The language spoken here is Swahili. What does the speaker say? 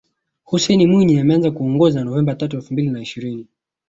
Hussein Mwinyi ameanza kuongoza Novemba tatu elfu mbili na ishirini